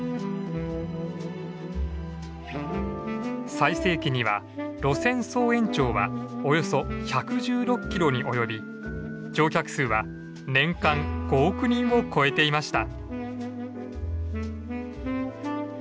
最盛期には路線総延長はおよそ１１６キロに及び乗客数は年間５億人を超えていました。